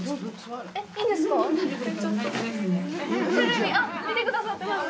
テレビ、見てくださってます？